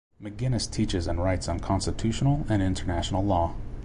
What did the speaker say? McGinnis teaches and writes on constitutional and international law.